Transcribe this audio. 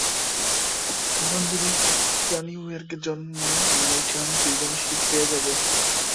কারন যদি বাচ্চা নিউ ইয়র্কে জন্মায়, আমিরিকান সিটিজেনশিপ পেয়ে যাবো।